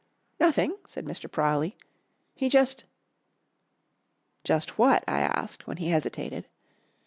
"Nothing!" said Mr. Prawley. "He just " "Just what?" I asked when he hesitated.